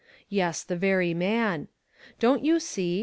Yes, the very man. Don't you see?